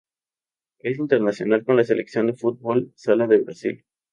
Es internacional con la selección de fútbol sala de Brasil.